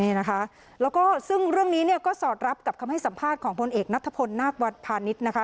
นี่นะคะแล้วก็ซึ่งเรื่องนี้เนี่ยก็สอดรับกับคำให้สัมภาษณ์ของพลเอกนัทพลนาควัดพาณิชย์นะคะ